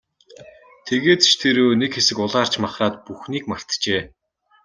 Тэгээд ч тэр үү, нэг хэсэг улайрч махраад бүхнийг мартжээ.